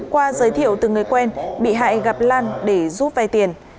qua giới thiệu từ người quen bị hại gặp lan để giúp vay tiền